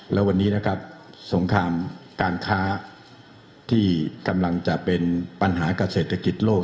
แล้ววันนี้นะครับสงครามการค้าที่กำลังจะเป็นปัญหากับเศรษฐกิจโลก